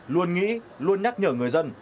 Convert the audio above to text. luôn nghĩ luôn nhắc nhở người dân